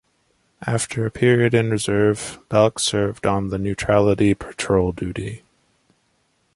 After a period in reserve, "Balch" served on Neutrality Patrol duty.